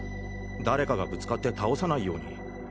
誰かがぶつかって倒さないように。